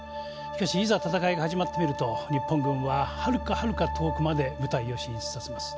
しかしいざ戦いが始まってみると日本軍ははるかはるか遠くまで部隊を進出させます。